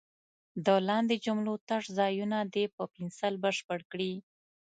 د لاندې جملو تش ځایونه دې په پنسل بشپړ کړي.